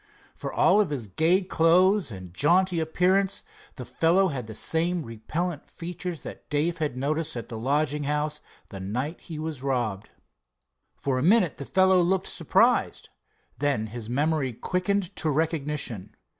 For all of his gay clothes and jaunty appearance, the fellow had the same repellant features that Dave had noticed at the lodging house the night he was robbed. For a minute the fellow looked surprised. Then his memory quickened to recognition.